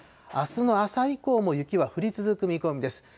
あすの朝以降も雪は降り続く見込みです。